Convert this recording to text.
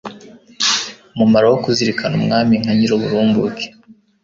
umumaro wo kuzirikana umwami nka Nyiruburumbuke